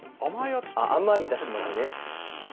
甘いだし巻きね。